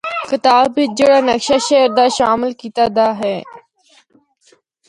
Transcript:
کتاب بچ جڑا نقشہ شہر دا شامل کیتا دا ہے۔